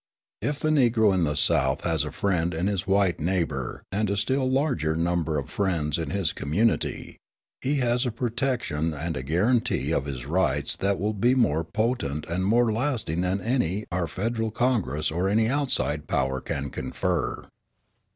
If the Negro in the South has a friend in his white neighbour and a still larger number of friends in his community, he has a protection and a guarantee of his rights that will be more potent and more lasting than any our Federal Congress or any outside power can confer.